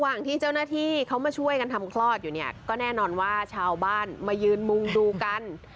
ที่เจ้าหน้าที่เขามาช่วยกันทำคลอดอยู่เนี่ยก็แน่นอนว่าชาวบ้านมายืนมุงดูกัน